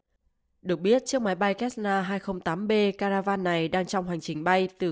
lâu được biết chiếc máy bay kessler hai trăm linh tám b caravale này đang trong hành trình bay từ